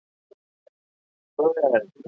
کورني بازار باید وده ومومي.